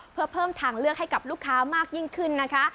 เพื่อเพิ่มทางเลือกให้กับลูกค้ามากยิ่งขึ้นนะคะ